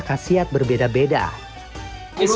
ya saya telah membuatnya dari itu